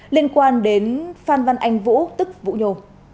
liên quan đến phan văn anh vũ tức vũ nhô